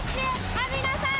網野さん